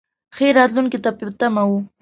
ښې راتلونکې ته په تمه و.